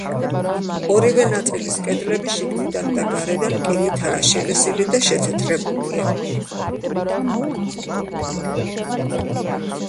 ორივე ნაწილის კედლები შიგნიდან და გარედან კირითაა შელესილი და შეთეთრებულია.